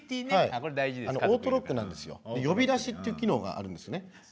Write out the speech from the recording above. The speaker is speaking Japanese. オートロックで呼び出しという機能があるんですね。